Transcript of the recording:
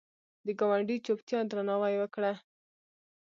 د ګاونډي چوپتیا درناوی وکړه